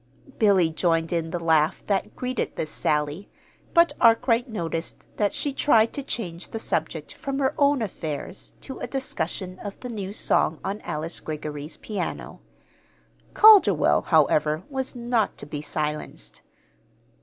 Billy joined in the laugh that greeted this sally, but Arkwright noticed that she tried to change the subject from her own affairs to a discussion of the new song on Alice Greggory's piano. Calderwell, however, was not to be silenced.